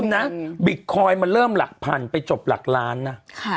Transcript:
นะบิตคอยเริ่มหลักพันไปหลับหลานนะ